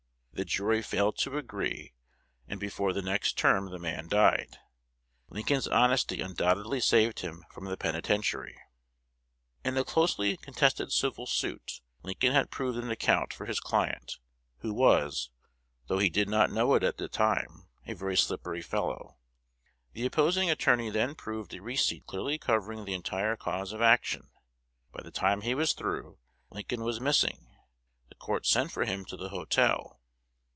The jury failed to agree; and before the next term the man died. Lincoln's honesty undoubtedly saved him from the penitentiary. "In a closely contested civil suit, Lincoln had proved an account for his client, who was, though he did not know it at the time, a very slippery fellow. The opposing attorney then proved a receipt clearly covering the entire cause of action. By the time he was through, Lincoln was missing. The court sent for him to the hotel.